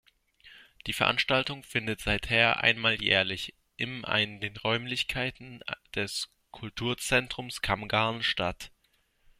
Die Veranstaltung findet seither einmal jährlich im ein den Räumlichkeiten des Kulturzentrums Kammgarn statt.